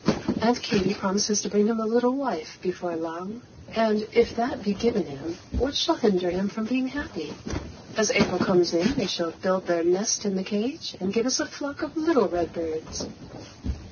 Aunt Katy promises to bring him a little wife before long; and, if that be given him, what shall hinder him from being happy? As April comes in, they shall build their nest in the cage, and give us a flock of little red birds.